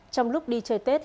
trong lúc đi chơi tết